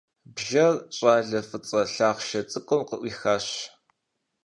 Бжэр щӀалэ фӀыцӀэ лъахъшэ цӀыкӀум къыӀуихащ.